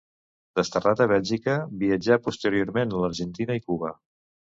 Desterrat a Bèlgica, viatjà posteriorment a l'Argentina i Cuba.